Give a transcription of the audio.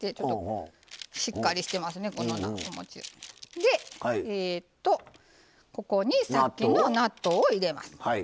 でここにさっきの納豆を入れます。